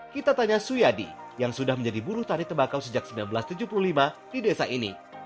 kita tanya suyadi yang sudah menjadi buru tari tembakau sejak seribu sembilan ratus tujuh puluh lima di desa ini